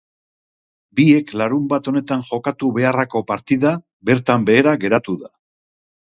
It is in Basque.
Biek larunbat honetan jokatu beharrako partida bertan behera geratu da.